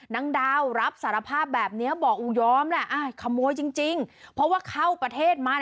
นางดาวรับสารภาพแบบนี้บอกอูยอมแหละขโมยจริงเพราะว่าเข้าประเทศมา